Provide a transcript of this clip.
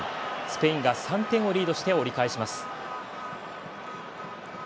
スペインが３点をリードして折り返します。